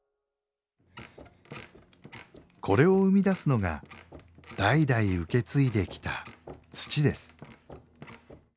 これを生み出すのが代々受け継いできた土です。